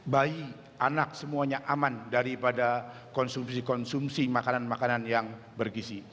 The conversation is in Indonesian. bayi anak semuanya aman daripada konsumsi konsumsi makanan makanan yang bergisi